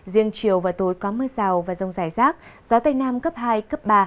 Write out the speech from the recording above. riêng chiều và tối có mưa rào và rông rải rác gió tây nam cấp hai cấp ba